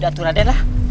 mudah tuh raden